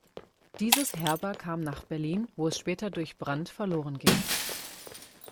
Dieses Herbar kam nach Berlin, wo es später durch Brand verlorenging.